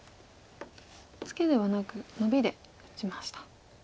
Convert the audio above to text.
ツケではなくノビで打ちました。